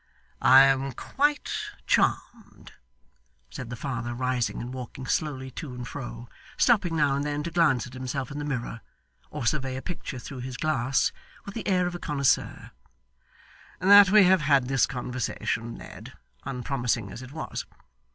'I am quite charmed,' said the father rising, and walking slowly to and fro stopping now and then to glance at himself in the mirror, or survey a picture through his glass, with the air of a connoisseur, 'that we have had this conversation, Ned, unpromising as it was.